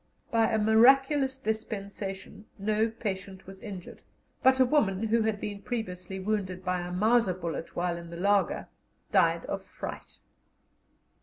By a miraculous dispensation no patient was injured, but a woman, who had been previously wounded by a Mauser bullet while in the laager, died of fright.